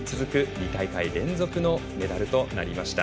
２大会連続のメダルとなりました。